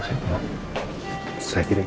saya mau kemana saya yang pegang